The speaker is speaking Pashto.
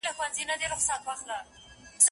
سپېرې شونډی وږې ګېډه فکر وړی